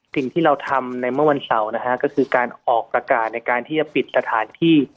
สิ่งที่เราทำในเมื่อวันเสาร์นะฮะก็คือการออกประกาศในการที่จะปิดสถานที่